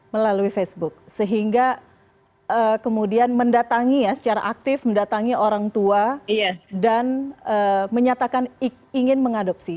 melalui facebook sehingga kemudian mendatangi ya secara aktif mendatangi orang tua dan menyatakan ingin mengadopsi